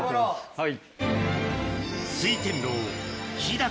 はい。